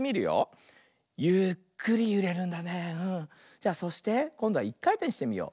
じゃあそしてこんどはいっかいてんしてみよう。